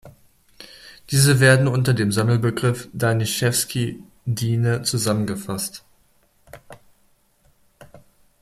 Diese werden unter dem Sammelbegriff Danishefsky-Diene zusammengefasst.